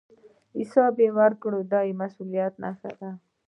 حساب ورکول د مسوولیت نښه ده